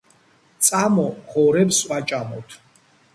წამო ღორებს ვაჭამოთ